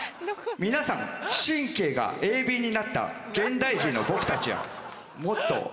皆さん神経が鋭敏になった現代人の僕たちはもっと。